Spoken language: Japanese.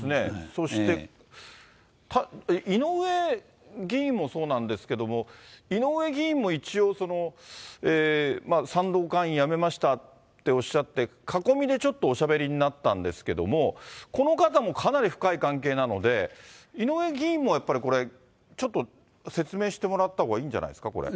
そして、井上議員もそうなんですけども、井上議員も一応賛同会員やめましたっておっしゃって囲みでちょっとおしゃべりになったんですけども、この方もかなり深い関係なので、井上議員もやっぱりこれ、ちょっと説明してもらったほうがいいんじゃないですか、これ。